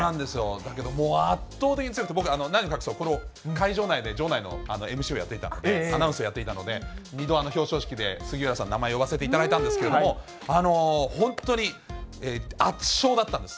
だけど、もう圧倒的に強くて、僕、何を隠そう、この会場内で、場内のＭＣをやっていた、アナウンスをやっていたので、２度表彰式で杉浦さんの名前を呼ばせていただいたんですけれども、本当に、圧勝だったんです。